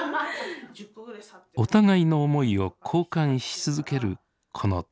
お互いの思いを交換し続けるこの対話。